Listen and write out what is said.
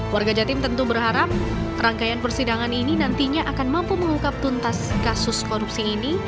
warga jatim tentu berharap rangkaian persidangan ini nantinya akan mampu mengungkap tuntas kasus korupsi ini